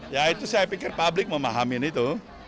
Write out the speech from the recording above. ya itu saya pikir publik memahamin itu